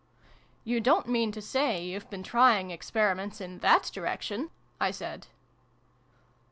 " You don't mean to say you've been trying experiments in that direction !" I said.